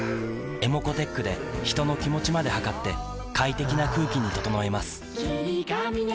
ｅｍｏｃｏーｔｅｃｈで人の気持ちまで測って快適な空気に整えます